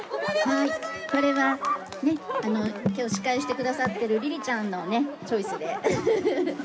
これはきょう司会してくださってるりりちゃんのチョイスで。